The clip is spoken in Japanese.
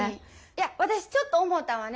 いや私ちょっと思たんはね